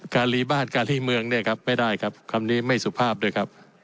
รีบ้านการลีเมืองเนี่ยครับไม่ได้ครับคำนี้ไม่สุภาพด้วยครับ